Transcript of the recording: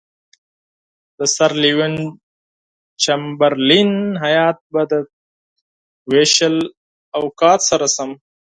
د سر لیوین چمبرلین هیات به د تقسیم اوقات سره سم.